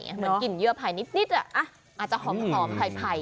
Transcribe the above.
เหมือนกลิ่นเยื่อไผ่นิดอาจจะหอมไผ่